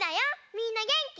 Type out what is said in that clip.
みんなげんき？